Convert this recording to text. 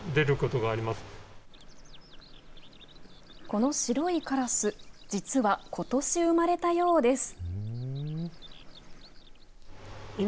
この白いカラス、実は、ことし生まれたようです。